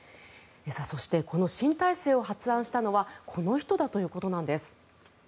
そして、新体制を発案したのはこの人だということなんです。